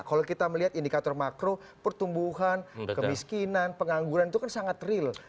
kalau kita melihat indikator makro pertumbuhan kemiskinan pengangguran itu kan sangat real